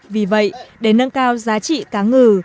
vì vậy để nâng cao giá trị cá ngừ